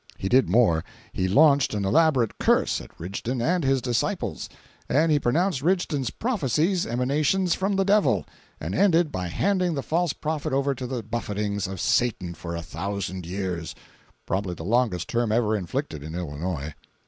He did more. He launched an elaborate curse at Rigdon and his disciples; and he pronounced Rigdon's "prophecies" emanations from the devil, and ended by "handing the false prophet over to the buffetings of Satan for a thousand years"—probably the longest term ever inflicted in Illinois.